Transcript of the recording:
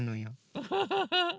ウフフフ。